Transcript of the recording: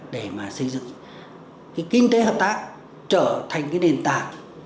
để mà xây dựng cái kinh tế hợp tác trở thành cái nền tảng